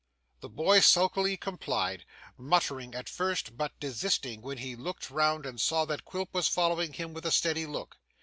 The boy sulkily complied, muttering at first, but desisting when he looked round and saw that Quilp was following him with a steady look.